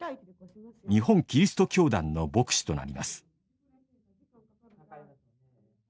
日本基督教団の牧師となります。